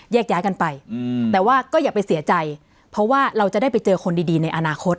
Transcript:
แยกย้ายกันไปแต่ว่าก็อย่าไปเสียใจเพราะว่าเราจะได้ไปเจอคนดีในอนาคต